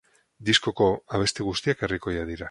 Diskoko abesti guztiak herrikoiak dira.